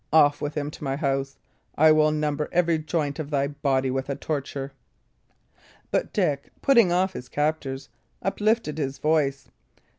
Off with him to my house. I will number every joint of thy body with a torture." But Dick, putting off his captors, uplifted his voice.